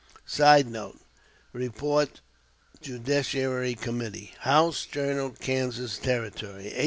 [Sidenote: Report Judiciary Com., "House Journal Kansas Territory," 1855.